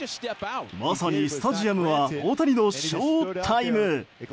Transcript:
まさにスタジアムは大谷のショウタイム！